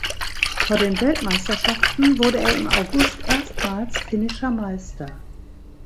Vor den Weltmeisterschaften wurde er im August erstmals Finnischer Meister.